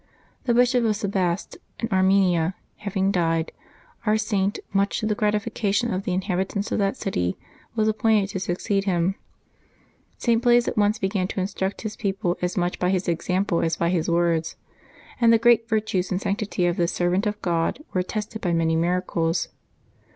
The Bishop of Sebaste, in Ar menia, having died, our Saint, much to the gratification of the inhabitants of that city, w as appointed to succeed him. St. Blase at once began to instruct his people as much by his example as by his words, and the great virtues and sanctity of this servant of God were attested by many mira cles.